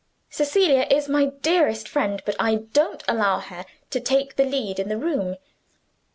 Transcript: Cecilia is my dearest friend, but I don't allow her to take the lead in the room.